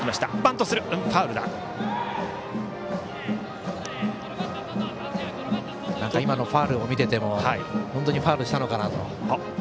また今のファウルを見てても本当にファウルしたのかな